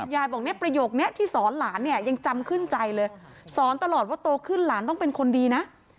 ยายบอกเนี่ยประโยคนี้ที่สอนหลานเนี่ยยังจำขึ้นใจเลยสอนตลอดว่าโตขึ้นหลานต้องเป็นคนดีนะ